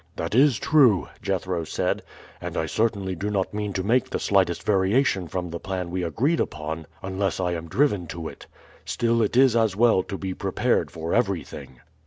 "That is true," Jethro said; "and I certainly do not mean to make the slightest variation from the plan we agreed upon unless I am driven to it. Still it is as well to be prepared for everything."